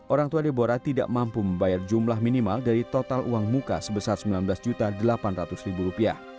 orang tua debora tidak mampu membayar jumlah minimal dari total uang muka sebesar rp sembilan belas delapan ratus